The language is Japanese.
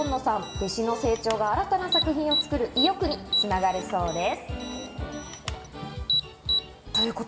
弟子の成長が新たな作品を作る意欲に繋がるそうです。